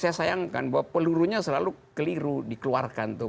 saya sayangkan bahwa pelurunya selalu keliru dikeluarkan tuh